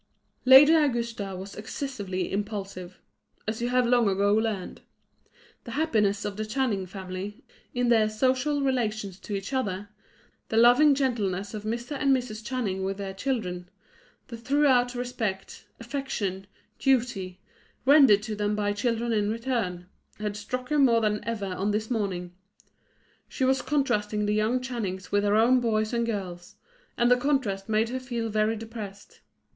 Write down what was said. Lady Augusta was excessively impulsive: as you have long ago learned. The happiness of the Channing family, in their social relations to each other; the loving gentleness of Mr. and Mrs. Channing with their children; the thorough respect, affection, duty, rendered to them by the children in return had struck her more than ever on this morning. She was contrasting the young Channings with her own boys and girls, and the contrast made her feel very depressed.